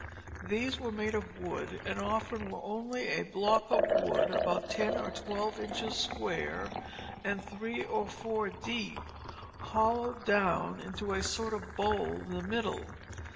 These were made of wood, and often were only a block of wood, about ten or twelve inches square and three or four deep, hollowed down into a sort of bowl in the middle.